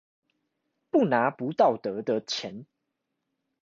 不拿不道德的錢